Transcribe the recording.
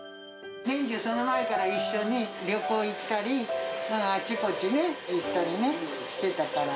年中、その前から一緒に旅行行ったり、あちこちね、行ったりね、してたから。